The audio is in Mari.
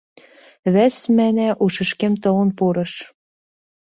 «Вес смене, — ушышкем толын пурыш.